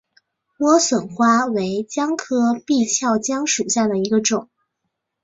莴笋花为姜科闭鞘姜属下的一个种。